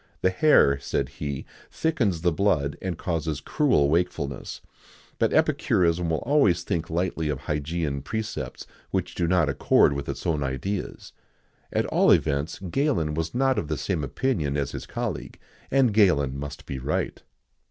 "The hare," said he, "thickens the blood, and causes cruel wakefulness;"[XIX 96] but epicurism will always think lightly of Hygeian precepts which do not accord with its own ideas. At all events, Galen was not of the same opinion as his colleague,[XIX 97] and Galen must be right.